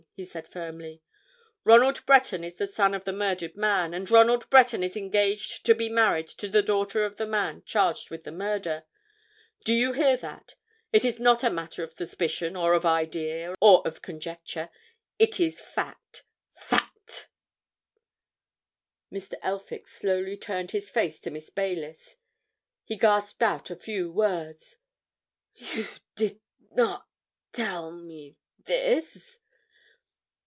he said firmly. "Ronald Breton is the son of the murdered man, and Ronald Breton is engaged to be married to the daughter of the man charged with the murder. Do you hear that? It is not matter of suspicion, or of idea, or of conjecture, it is fact—fact!" Mr. Elphick slowly turned his face to Miss Baylis. He gasped out a few words. "You—did—not—tell—me—this!"